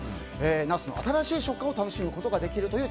ナスの新しい食感を楽しむことができるという